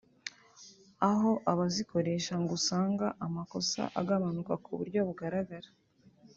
aho abazikoresha ngo usanga amakosa agabanuka ku buryo bugaragara